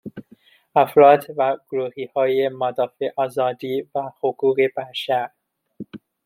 افراد و گروههای مدافع آزادی و حقوق بشر